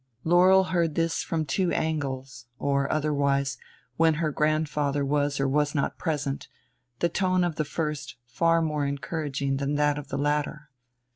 Laurel heard this from two angles, or, otherwise, when her grandfather was or was not present, the tone of the first far more encouraging than that of the latter.